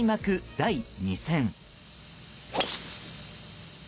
第２戦。